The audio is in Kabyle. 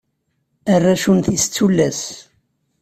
Arrac unti-is d tullas.